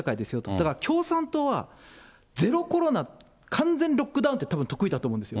だから共産党は、ゼロコロナ、完全ロックダウンってたぶん、得意だと思うんですよ。